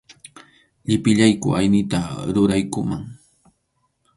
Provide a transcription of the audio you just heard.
Llipillayku aynita ruraykuman.